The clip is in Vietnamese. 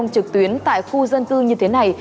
trực tuyến tại khu dân tư như thế này